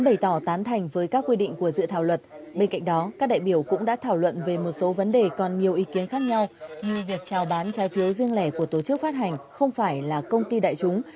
bên cạnh đó các đại biểu cũng đã thảo luận về một số vấn đề còn nhiều ý kiến khác nhau như việc trào bán trái phiếu riêng lẻ của tổ chức phát hành không phải là công ty đại chúng